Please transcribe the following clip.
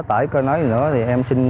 tải cơi nới nữa thì em xin